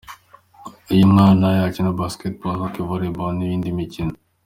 Uyu mwana yakina basketball, hockey, volleyball n’indi mikino.